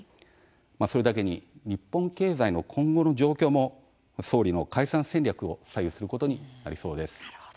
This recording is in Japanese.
それだけに日本経済の今後の状況も総理の解散戦略を左右することになりそうです。